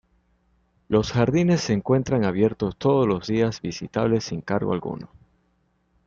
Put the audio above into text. Los jardines se encuentran abiertos todos los días visitables sin cargo alguno.